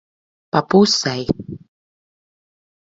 Pa pusei.